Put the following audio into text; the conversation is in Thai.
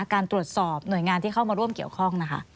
การตรวจสอบหน่วยงานที่เข้ามาร่วมเกี่ยวข้องนะคะ